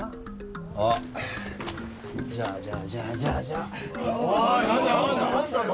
あじゃあじゃあじゃあじゃあじゃあじゃあ